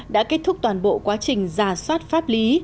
đã kết thúc toàn bộ quá trình giả soát pháp lý